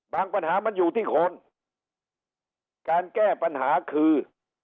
ปัญหามันอยู่ที่คนการแก้ปัญหาคือ